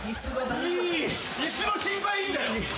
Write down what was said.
椅子の心配いいんだよ！